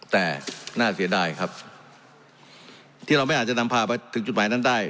แต่น่าเสียดายครับที่เราไม่อาจจะนำพาไปถึงจุดหมายนั้นได้